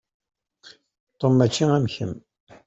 Tom mačči am kemm.